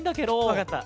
わかった！